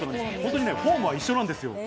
フォームは一緒なんですよ。